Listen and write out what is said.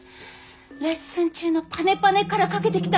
レッスン中のパネパネからかけてきたんです。